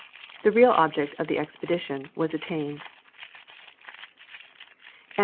The real object of the expedition was attained.